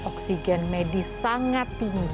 oksigen medis sangat tinggi